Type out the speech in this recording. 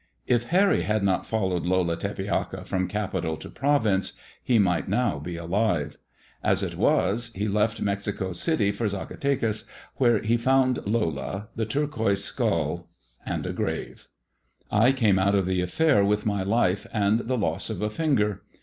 If Harry had not followed Lola Tepeaca from capital to province, he might now be alive. 222 'THE TALE OF THE TURQUOISE SKULL* As it was, he left Mexico City for Zacatecas, where he found Lola, the turquoise skull, and a grave. I came out of the affair with my life and the loss of a finger.